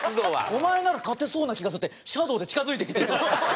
「お前なら勝てそうな気がする」ってシャドーで近付いてきて。